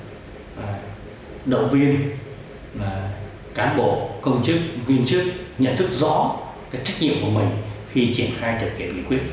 các cấp cân thành đồng viên cán bộ công chức viên chức nhận thức rõ trách nhiệm của mình khi triển khai thực hiện lý quyết